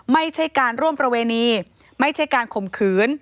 ไม่ใช่การร่วมประเวณีไม่ใช่การข่มขืน